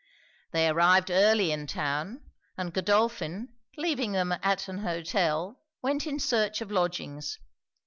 They arrived early in town; and Godolphin, leaving them at an hotel, went in search of lodgings.